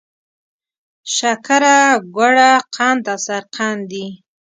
شکره، ګوړه، قند او سرقند دي.